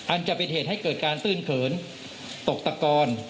จะเป็นเหตุให้เกิดการตื้นเขินตกตะกอน